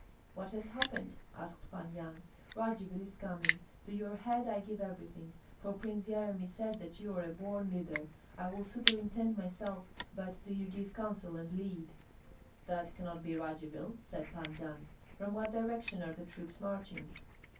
"What has happened?" asked Pan Yan. "Radzivill is coming! To your head I give everything, for Prince Yeremi said that you are a born leader. I will superintend myself, but do you give counsel and lead." "That cannot be Radzivill!" said Pan Yan. "From what direction are the troops marching?"